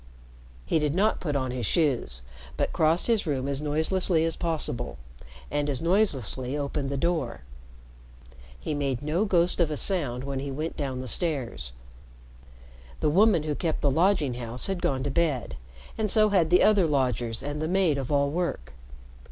He did not put on his shoes, but crossed his room as noiselessly as possible, and as noiselessly opened the door. He made no ghost of a sound when he went down the stairs. The woman who kept the lodging house had gone to bed, and so had the other lodgers and the maid of all work.